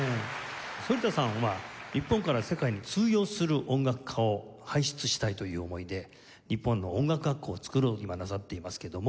反田さんは日本から世界に通用する音楽家を輩出したいという思いで日本の音楽学校を作ろうと今なさっていますけども。